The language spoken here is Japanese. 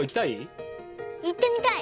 いってみたい！